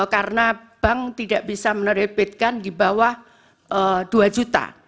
karena bank tidak bisa menerbitkan di bawah dua juta